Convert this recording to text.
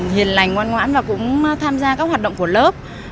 hiền lành ngoan ngoãn và cũng tham gia các hoạt động của lớp